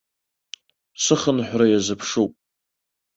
Сыхынҳәра иазыԥшуп.